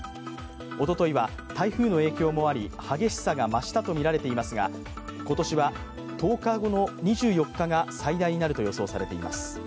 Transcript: おとといは台風の影響もあり激しさが増したとみられていますが今年は１０日後の２４日が最大なると予想されています。